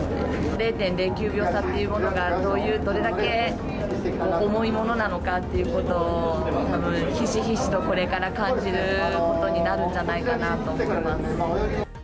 ０．０９秒差というものがどれだけ重いものなのかということを、たぶんひしひしとこれから感じることになるんじゃないかなと思い